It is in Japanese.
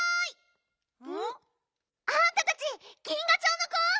ん？あんたたち銀河町の子？